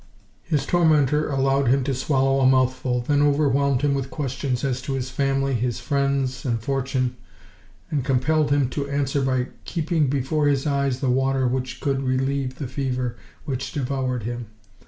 His tormentor allowed him to swallow a mouthful, then overwhelmed him with questions as to his family, his friends and fortune, and compelled him to answer by keeping before his eyes the water which alone could relieve the fever which devoured him.